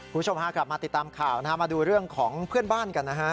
คุณผู้ชมพากลับมาติดตามข่าวนะฮะมาดูเรื่องของเพื่อนบ้านกันนะฮะ